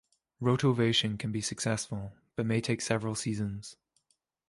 Rotovation can be successful, but may take several seasons.